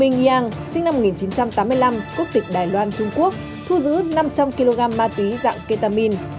minh giang sinh năm một nghìn chín trăm tám mươi năm quốc tịch đài loan trung quốc thu giữ năm trăm linh kg ma túy dạng ketamin